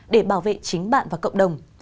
để bảo vệ chính bạn và cộng đồng